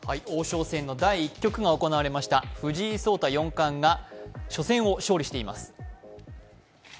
王将戦第１局が行われました藤井聡太四冠が初戦を勝利しています。